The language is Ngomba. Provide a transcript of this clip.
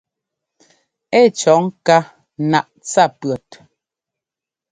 Ɛ́ cɔ̌ ŋká naꞌ tsa pʉ̈ɔt.